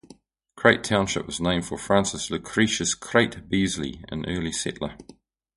Crate Township was named for Francis Lucretius "Crate" Beasley, an early settler.